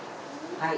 はい。